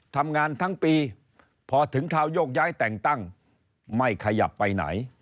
ทำงานทั้งปีพอถึงคราวโยกย้ายแต่งตั้งไม่ขยับไปไหน